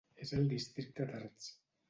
És al districte d'Ards.